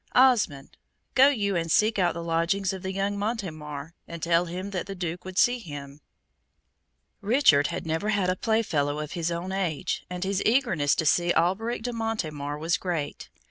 Osmond, go you and seek out the lodgings of the young Montemar, and tell him the Duke would see him." Richard had never had a playfellow of his own age, and his eagerness to see Alberic de Montemar was great.